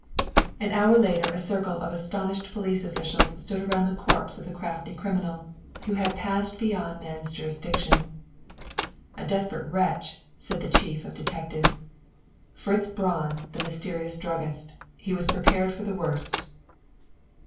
An hour later a circle of astonished police officials stood around the corpse of the crafty criminal who had passed beyond man's jurisdiction. "A desperate wretch," said the chief of detectives. "Fritz Braun, the mysterious druggist. He was prepared for the worst!"